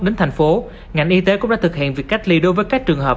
đến thành phố ngành y tế cũng đã thực hiện việc cách ly đối với các trường hợp